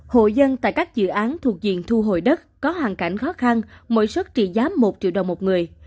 hộ dân tại các dự án thuộc diện thu hồi đất có hoàn cảnh khó khăn mỗi xuất trị giá một triệu đồng một người